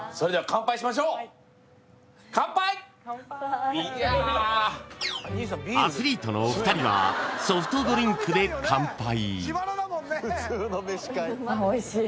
乾杯アスリートのお二人はソフトドリンクで乾杯